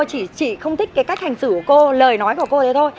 mày không được phép đánh con người ta thế